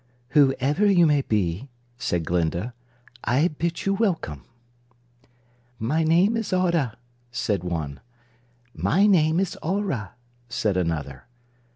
"Whoever you may be," said Glinda, "I bid you welcome." "My name is Audah," said one. "My name is Aurah," said another.